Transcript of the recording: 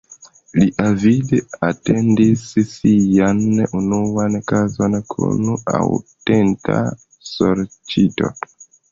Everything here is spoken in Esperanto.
Li avide atendis sian unuan kazon kun aŭtenta sorĉito.